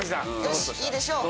よしいいでしょう。